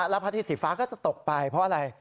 แล้วพระอาทิตย์สีฟ้าก็จะตกไปเพราะอะไร